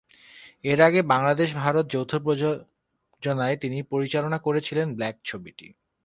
এর আগে বাংলাদেশ ভারত যৌথ প্রযোজনায় তিনি পরিচালনা করেছিলেন ব্ল্যাক ছবিটি।